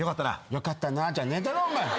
よかったなじゃねえだろ！